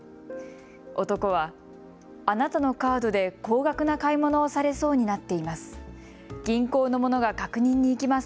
男は、あなたのカードで高額な買い物をされそうになっています。